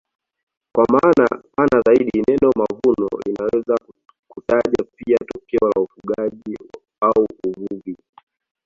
Kwa maana pana zaidi neno mavuno linaweza kutaja pia tokeo la ufugaji au uvuvi.